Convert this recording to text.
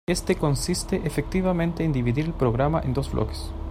Este consiste efectivamente en dividir el programa en dos bloques.